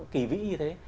kỳ vĩ như thế